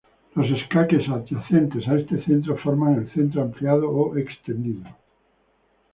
Los escaques adyacentes a este centro forman el centro ampliado o extendido.